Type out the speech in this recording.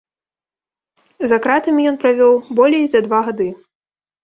За кратамі ён правёў болей за два гады.